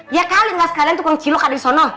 ya kali ga sekalian tukang cilok ada disono